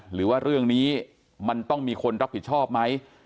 หรือว่าเรื่องนี้มันต้องมีคนรับผิดชอบไหม